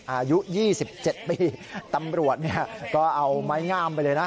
อายุ๒๗ปีตำรวจก็เอาไม้งามไปเลยนะ